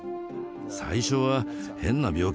最初は「変な病気だな。